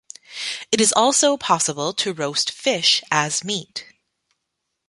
It is also possible to roast fish as meat.